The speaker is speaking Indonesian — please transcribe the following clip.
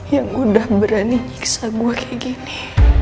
yang udah berani nyiksa gue kayak gini